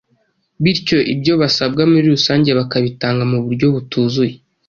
bityo ibyo basabwa muri rusange bakabitanga mu buryo butuzuye.